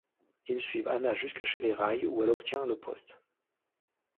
Ils suivent Anna jusque chez les Rai où elle obtient le poste.